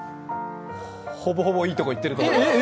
ほぼほぼいいところいってると思います。